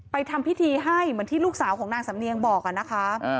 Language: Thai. ทำพิธีให้เหมือนที่ลูกสาวของนางสำเนียงบอกอะนะคะ